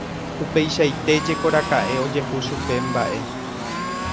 Upeichaite jekoraka'e ojehu chupe mba'e.